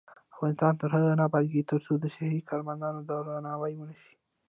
افغانستان تر هغو نه ابادیږي، ترڅو د صحي کارمندانو درناوی ونشي.